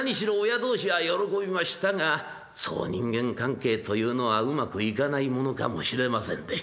親同士は喜びましたがそう人間関係というのはうまくいかないものかもしれませんで。